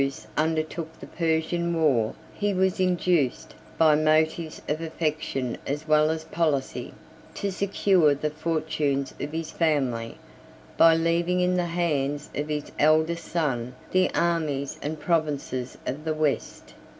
] When the emperor Carus undertook the Persian war, he was induced, by motives of affection as well as policy, to secure the fortunes of his family, by leaving in the hands of his eldest son the armies and provinces of the West.